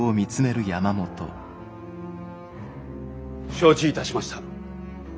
承知いたしました。